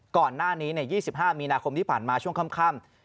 ก่อนหน้านี้๒๕มีนาคมที่ผ่านมาช่วงค่ำ